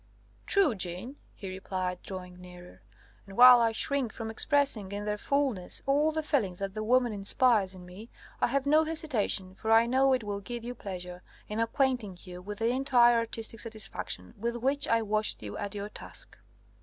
"True, Jeanne," he replied, drawing nearer; "and while I shrink from expressing, in their fulness, all the feelings that the woman inspires in me, I have no hesitation for I know it will give you pleasure in acquainting you with the entire artistic satisfaction with which I watched you at your task!"